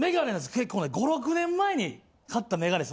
結構ね５６年前に買ったメガネです。